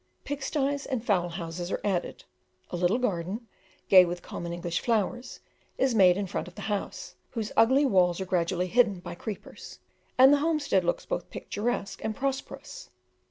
Pig sties and fowl houses are added; a little garden, gay with common English flowers, is made in front of the house, whose ugly walls are gradually hidden by creepers, and the homestead looks both picturesque and prosperous.